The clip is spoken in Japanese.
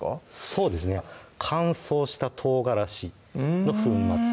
そうですね乾燥したとうがらしの粉末うん